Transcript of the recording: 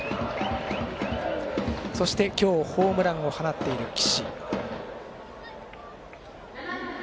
そして、今日ホームランを放っている岸。